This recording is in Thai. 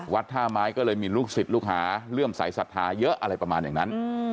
ท่าไม้ก็เลยมีลูกศิษย์ลูกหาเลื่อมสายศรัทธาเยอะอะไรประมาณอย่างนั้น